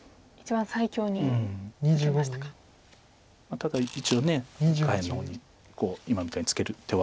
ただ一応下辺の方に今みたいにツケる手は。